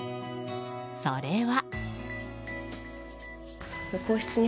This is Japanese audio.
それは。